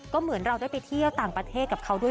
ก็เหมือนเราได้ไปเที่ยวต่างประเทศกับเขาด้วย